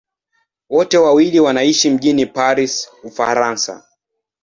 Wote wawili wanaishi mjini Paris, Ufaransa.